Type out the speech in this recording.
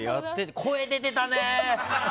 声、出てたね！